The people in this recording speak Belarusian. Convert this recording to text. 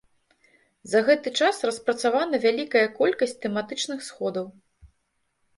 За гэты час распрацавана вялікая колькасць тэматычных сходаў.